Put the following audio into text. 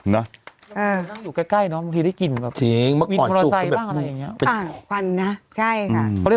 นั่งอยู่ใกล้บางทีได้กลิ่นวิทย์โครไซด์บ้างอะไรอย่างนี้